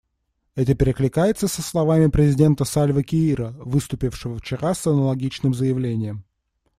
Это перекликается со словами президента Сальвы Киира, выступившего вчера с аналогичным заявлением.